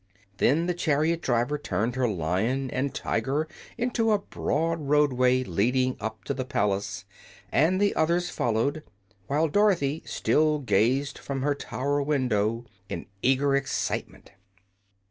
Then the chariot driver turned her Lion and Tiger into a broad roadway leading up to the palace, and the others followed, while Dorothy still gazed from her tower window in eager excitement.